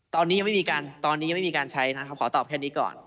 ตอนนี้ยังไม่มีการใช้นะครับขอตอบแค่นี้ก่อน